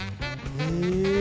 へえ。